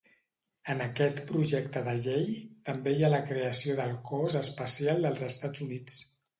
En aquest projecte de llei també hi ha la creació del cos espacial dels Estats Units.